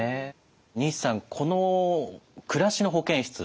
西さんこの「暮らしの保健室」